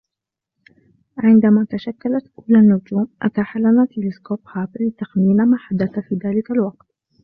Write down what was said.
عندما تشكلت أولى النجوم أتاح لنا تلسكوب هابل تخمين ماحدث في ذلك الوقت